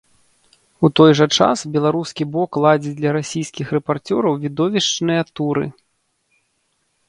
У той жа час беларускі бок ладзіць для расійскіх рэпарцёраў відовішчныя туры.